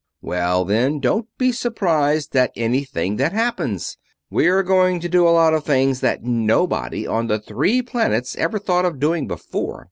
Well, then, don't be surprised at anything that happens. We are going to do a lot of things that nobody on the Three Planets ever thought of doing before."